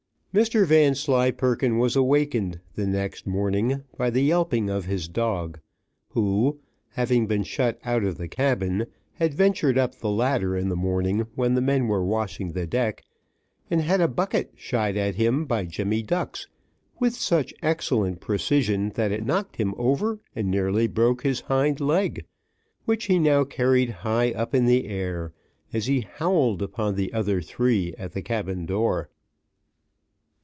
Mr. Vanslyperken was awakened, the next morning, by the yelping of his dog, who, having been shut out of the cabin, had ventured up the ladder in the morning when the men were washing the deck, and had a bucket shied at him by Jemmy Ducks, with such excellent precision, that it knocked him over, and nearly broke his hind leg, which he now carried high up in the air as he howled upon the other three at the cabin door.